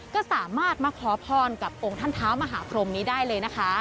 ก็สามารถมาขอพรกับองค์ท่านเท้ามหาพรมนี้ได้เลยนะคะ